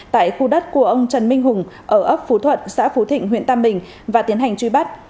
tại khu đất của ông trần minh hùng ở ấp phú thuận xã phú thịnh huyện tam bình và tiến hành truy bắt